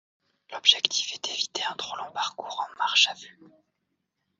L'objectif est d'éviter un trop long parcours en marche à vue.